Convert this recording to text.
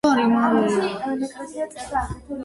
ჩრდილოეთ კედლის აღმოსავლეთ კიდეში მცირე, ოთხკუთხა ნიშაა.